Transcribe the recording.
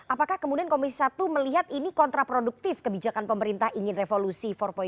apakah kemudian komisi satu melihat ini kontraproduktif kebijakan pemerintah ingin revolusi empat